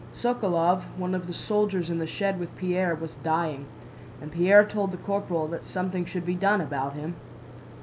Sokolóv, one of the soldiers in the shed with Pierre, was dying, and Pierre told the corporal that something should be done about him.